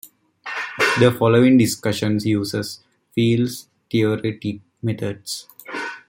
The following discussion uses field theoretic methods.